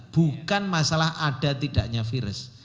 bukan masalah ada tidaknya virus